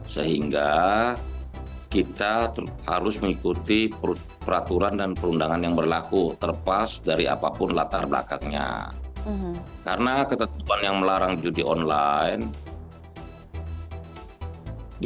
selamat sore pak menteri